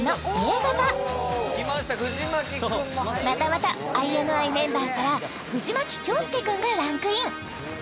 またまたＩＮＩメンバーから藤牧京介君がランクイン